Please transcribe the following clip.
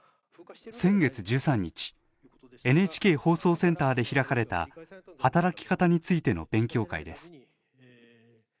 先月１３日ＮＨＫ放送センターで開かれた働き方についての勉強会です。